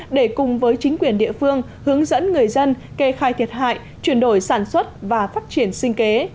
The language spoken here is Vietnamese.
để cùng với chính quyền địa phương hướng dẫn người dân kê khai thiệt hại chuyển đổi sản xuất và phát triển sinh kế